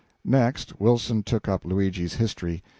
Next, Wilson took up Luigi's history.